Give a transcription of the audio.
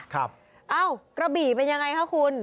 เอ้ากระบี่เป็นยังไงคะคุณ